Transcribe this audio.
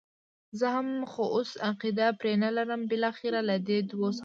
زه هم، خو اوس عقیده پرې نه لرم، بالاخره له دې دوو څخه.